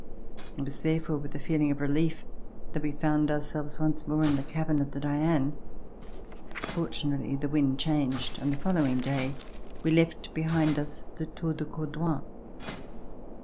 It was therefore with a feel ing of relief that we found ourselves once more in the cabin of the *' Diane." Fortunately the wind changed and the following day we left behind us the Tour de Cordouan.